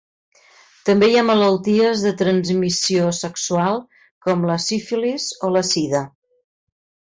També hi ha malalties de transmissió sexual com la sífilis o la sida.